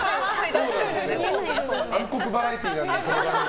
暗黒バラエティーなんでこの番組。